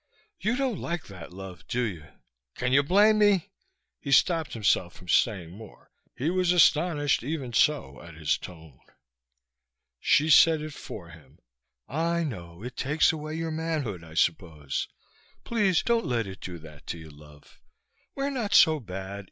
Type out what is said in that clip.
"You don't like that, love, do you?" "Can you blame me?" He stopped himself from saying more; he was astonished even so at his tone. She said it for him. "I know. It takes away your manhood, I suppose. Please don't let it do that to you, love. We're not so bad.